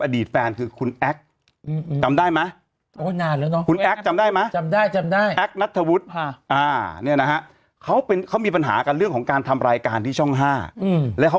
เดินทางได้หรือยังได้แล้วเนอะ